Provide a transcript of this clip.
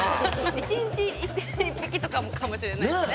１日１匹とかかもしれないですね。